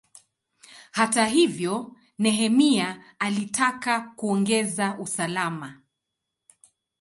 Hata hivyo, Nehemia alitaka kuongeza usalama.